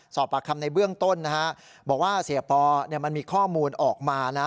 สอบปากคำในเบื้องต้นนะฮะบอกว่าเสียปอมันมีข้อมูลออกมานะ